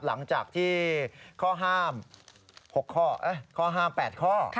หลังจากที่ข้อห้าม๖ข้อข้อห้าม๘ข้อ